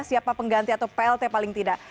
siapa pengganti atau plt paling tidak